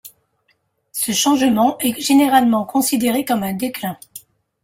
Ce changement est généralement considéré comme un déclin.